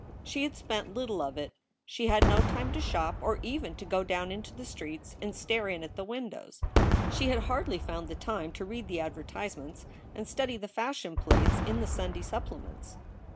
She had spent little of it. She had no time to shop or even to go down into the streets and stare in at the windows. She had hardly found the time to read the advertisements and study the fashion plates in the Sunday supplements.